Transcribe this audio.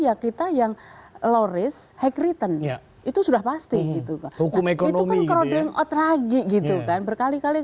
ya kita yang loris hek ritenya itu sudah pasti itu hukum ekonomi lagi gitu kan berkali kali